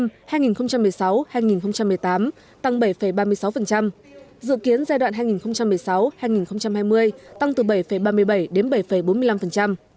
năm hai nghìn một mươi sáu hai nghìn một mươi tám tăng bảy ba mươi sáu dự kiến giai đoạn hai nghìn một mươi sáu hai nghìn hai mươi tăng từ bảy ba mươi bảy đến bảy bốn mươi năm